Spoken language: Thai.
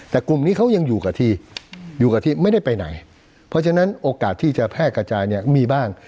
แต่กลุ่มนี้เขายังอยู่กับที่อยู่กับที่ไม่ได้ไปไหนเพราะฉะนั้นโอกาสที่จะแพร่กระจายเนี่ยมีบ้าง